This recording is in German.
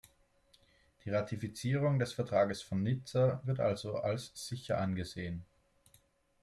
Die Ratifizierung des Vertrages von Nizza wird also als sicher angesehen.